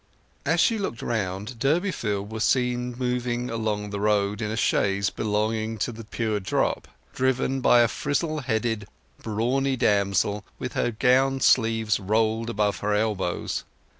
As she looked round Durbeyfield was seen moving along the road in a chaise belonging to The Pure Drop, driven by a frizzle headed brawny damsel with her gown sleeves rolled above her elbows.